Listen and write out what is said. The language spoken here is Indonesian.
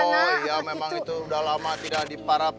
oh iya memang itu udah lama tidak di para